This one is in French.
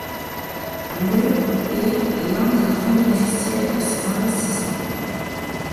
Le est l'un des grands bénéficiaires de ces investissements.